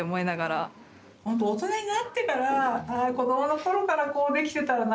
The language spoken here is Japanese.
ほんと大人になってからこどもの頃からこうできてたらなっていう。